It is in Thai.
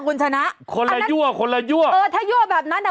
คุณชนะคนละยั่วคนละยั่วเออถ้ายั่วแบบนั้นอ่ะ